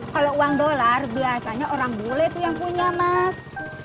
kalau uang dolar biasanya orang bule itu yang punya mas